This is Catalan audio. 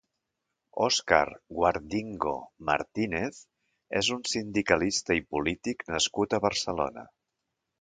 Óscar Guardingo Martínez és un sindicalista i polític nascut a Barcelona.